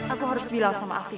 aku harus bilang sama aku